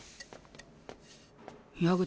矢口